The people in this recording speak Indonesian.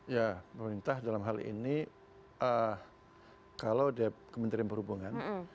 ya pemerintah dalam hal ini kalau kementerian perhubungan